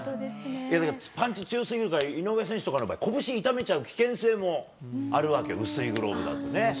パンチ強すぎるから、井上選手とかの場合、拳痛めちゃう危険性もあるわけ、薄いグローブだと。